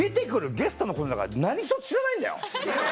ゲストのことなんか何ひとつ知らないんだよ？